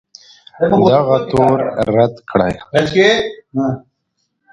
دغه تور رد کړ